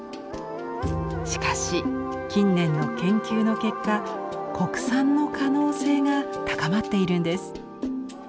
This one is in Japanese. しかし近年の研究の結果国産の可能性が高まっているんです。